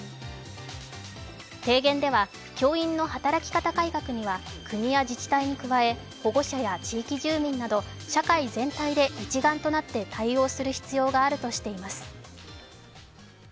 提言では、教員の働き方改革には国や自治体に加え、保護者や地域住民など社会全体で一丸となって対応する必要があるとしています。